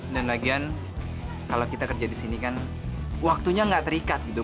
dan lagian kalau kita kerja di sini kan waktunya gak terikat gitu